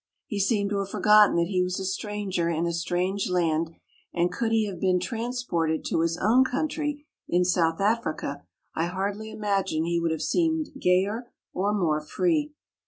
He seemed to have forgotten that he was a stranger in a strange land, and could he have been transported to his own country in South Africa, I hardly imagine he would have seemed gayer or more free.